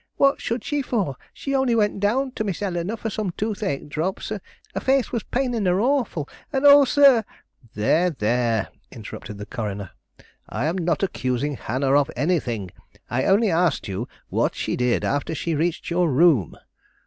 What should she for? She only went down to Miss Eleanore for some toothache drops, her face was paining her that awful; and oh, sir " "There, there," interrupted the coroner, "I am not accusing Hannah of anything. I only asked you what she did after she reached your room.